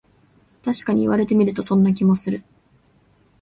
たしかに言われてみると、そんな気もする